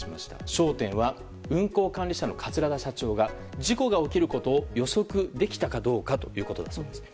焦点は運航管理者の桂田社長が事故が起きることを予測できたかどうかということです。